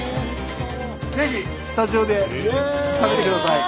ぜひスタジオで食べてください。